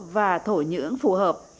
và thổ nhưỡng phù hợp